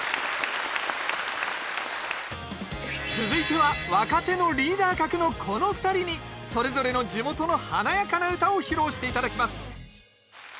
続いては若手のリーダー格のこの２人にそれぞれの地元の華やかな唄を披露して頂きます。